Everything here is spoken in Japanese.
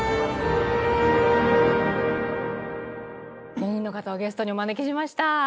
４人の方をゲストにお招きしました。